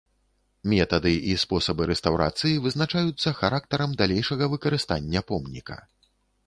Метады і спосабы рэстаўрацыі вызначаюцца характарам далейшага выкарыстання помніка.